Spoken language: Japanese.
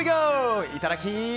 いただき！